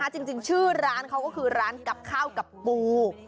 จริงชื่อร้านเขาก็คือร้านกับข้าวกับปู